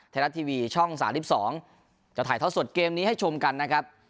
ไทยรัตริมีช่องสาลิ่ม๒จะถ่ายเถาสดเกมนี้ให้ชมกันนะครับ